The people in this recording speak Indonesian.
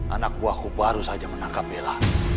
anak buahku baru saja menangkap bella